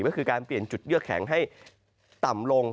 ก็คือการเปลี่ยนจุดเยื่อแข็งให้ต่ำลง